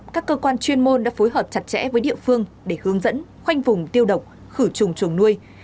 các cơ quan chuyên môn đã phối hợp chặt chẽ với địa phương để hướng dẫn khoanh vùng tiêu độc khử trùng chuồng nuôi